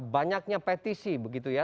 banyaknya petisi begitu ya